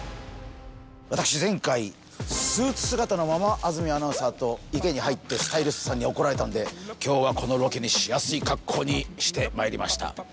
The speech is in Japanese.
私前回、スーツ姿のまま安住アナウンサーと池に入ってスタイリストさんに怒られたので、今日は取材しやすい格好に着替えました。